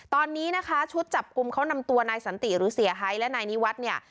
ตอนนี้นะคะชุดจับกลุ่มเขานำตัวนายสันติหรือเสียหายและนายนิวัฒน์เนี่ย